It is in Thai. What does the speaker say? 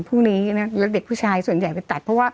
พรุ่งนี้แล้วเด็กผู้ชายส่วนใหญ่ไปตัดเพราะว่า